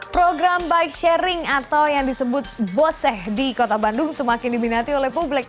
program bike sharing atau yang disebut boseh di kota bandung semakin diminati oleh publik